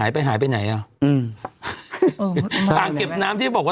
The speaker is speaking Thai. โทษทีน้องโทษทีน้อง